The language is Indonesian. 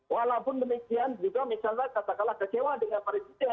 walaupun demikian juga misalnya katakanlah kecewa dengan presiden